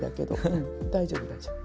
うん大丈夫大丈夫。